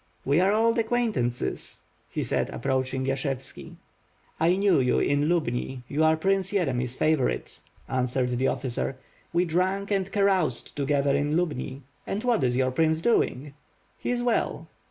"We are old acquaintances," he said, approaching Yashev ski. "I knew you in Lubni, you are Prince Yeremy's favorite," answered the officer, "we drank and caroused together in Lubni! And what is youy prince doing?" "He is well."